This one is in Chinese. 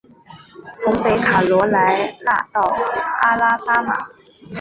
从北卡罗来纳到阿拉巴马。